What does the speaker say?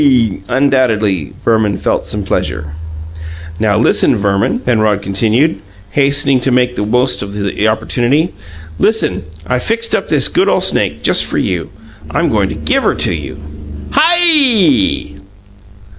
Undoubtedly Verman felt some pleasure. "Now, listen, Verman!" Penrod continued, hastening to make the most of the opportunity. "Listen! I fixed up this good ole snake just for you. I'm goin' to give her to you." "HI!"